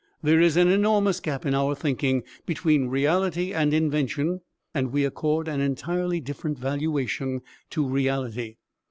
There is an enormous gap in our thinking between reality and invention and we accord an entirely different valuation to reality.